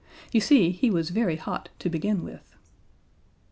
You see, he was very hot to begin with.